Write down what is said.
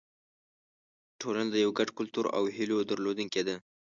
ټولنه د یو ګډ کلتور او هیلو درلودونکې ده.